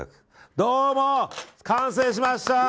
どうも完成しました！